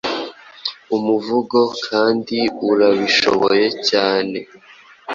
umuvugo kandi urabishoboye cyane